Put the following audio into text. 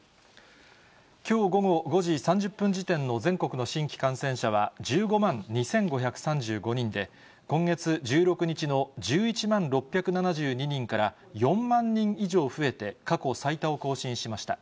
きょう午後５時３０分時点の全国の新規感染者は１５万２５３５人で、今月１６日の１１万６７２人から４万人以上増えて、過去最多を更新しました。